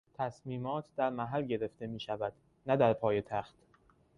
تصمیمات در محل گرفته میشود نه در پایتخت.